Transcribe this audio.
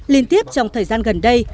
liên tiếp trong thời gian gần đây